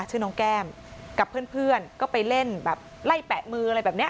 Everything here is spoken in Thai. ชื่อน้องแก้มกับเพื่อนก็ไปเล่นแบบไล่แปะมืออะไรแบบนี้